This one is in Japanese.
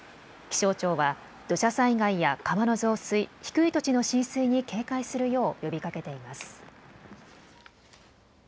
気象庁は土砂災害や川の増水、低い土地の浸水に警戒するよう呼びかけています。